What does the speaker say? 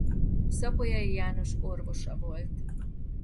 Szapolyai János orvosa volt.